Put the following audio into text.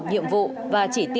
nhiệm vụ và chỉ trị